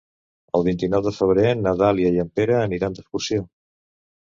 El vint-i-nou de febrer na Dàlia i en Pere aniran d'excursió.